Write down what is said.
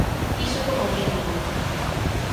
Iso como mínimo.